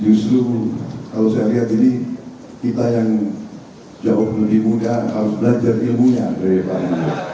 justru kalau saya lihat ini kita yang jawab lebih mudah harus belajar ilmunya dari